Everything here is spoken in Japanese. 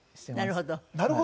なるほど。